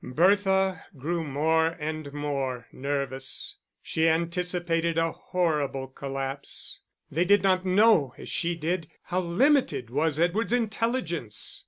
Bertha grew more and more nervous. She anticipated a horrible collapse; they did not know as she did how limited was Edward's intelligence!